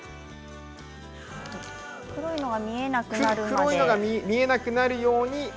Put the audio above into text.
黒いのが見えなくなるまで。